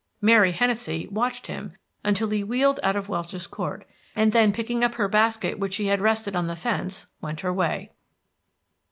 Mary Hennessey watched him until he wheeled out of Welch's Court, and then picking up her basket, which she had rested on the fence, went her way.